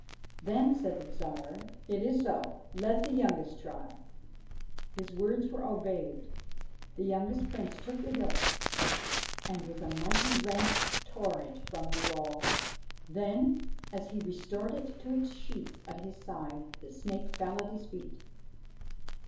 Then said the Tsar :' It is so. Let the youngest try.' His words were obeyed. The youngest Prince took the hilt, and, with a mighty wrench, tore it from the wall ; then, as he restored it to its sheath at his side, the snake fell at his feet.